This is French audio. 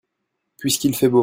puisqu'il fait beau.